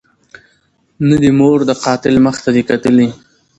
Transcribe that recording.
نه دي مور د قاتل مخ ته دي کتلي